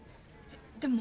でも。